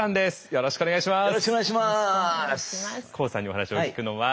よろしくお願いします。